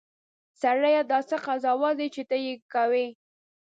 سړیه! دا څه قضاوت دی چې ته یې کوې.